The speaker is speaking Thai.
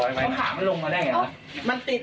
แล้วเข้ามาทำไม